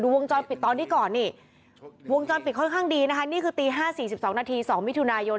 ดูวงจรปิดตอนนี้ก่อนนี่วงจรปิดค่อนข้างดีนะคะนี่คือตีห้าสี่สิบสองนาทีสองมิถุนายน